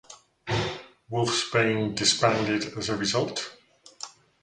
Wolfsbane disbanded as a result.